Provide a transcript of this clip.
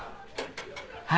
はい。